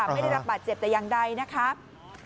ไม่ได้รับบาดเจ็บแต่อย่างใดนะครับ